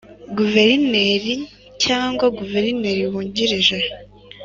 Guverineri cyangwa Guverineri Wungirije